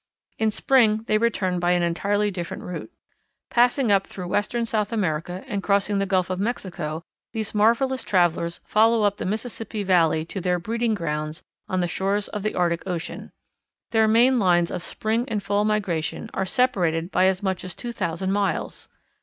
In spring they return by an entirely different route. Passing up through western South America, and crossing the Gulf of Mexico, these marvellous travellers follow up the Mississippi Valley to their breeding grounds on the shores of the Arctic Ocean. Their main lines of spring and fall migration are separated by as much as two thousand miles.